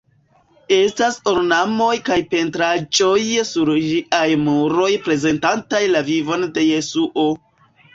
Estas ornamoj kaj pentraĵoj sur ĝiaj muroj prezentantaj la vivon de Jesuo.